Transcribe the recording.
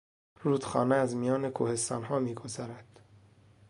رودخانه از میان کوهستانها میگذرد.